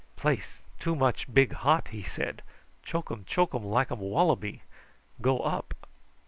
"Place too much big hot," he said. "Chokum chokum like um wallaby. Go up."